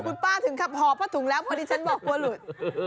โอ้โหคุณป้าถึงครับห่อพาถุงแล้วพอดิฉันบอกว่าหลุด